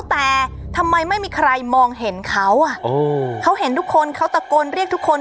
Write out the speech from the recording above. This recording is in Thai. แต่ทำไมไม่มีใครมองเห็นเขาอ่ะเขาเห็นทุกคนเขาตะโกนเรียกทุกคน